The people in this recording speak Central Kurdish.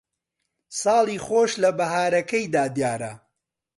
ساڵی خۆش لە بەھارەکەیدا دیارە